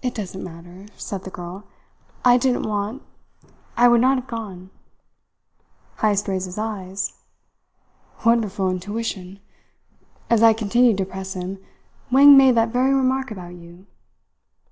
"It doesn't matter," said the girl. "I didn't want I would not have gone." Heyst raised his eyes. "Wonderful intuition! As I continued to press him, Wang made that very remark about you.